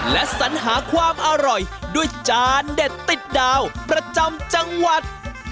และสัญหาความอร่อยด้วยจานเด็ดติดดาวประจำจังหวัด